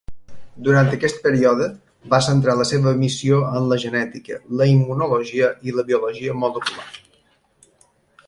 Durant aquest període, va centrar la seva missió en la genètica, la immunologia i la biologia molecular.